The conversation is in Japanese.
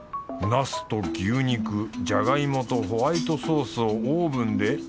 ナスと牛肉じゃがいもとホワイトソースをオーブンで。